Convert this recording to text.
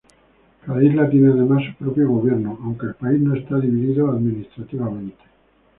Cada isla tiene además su propio gobierno, aunque el país no está dividido administrativamente.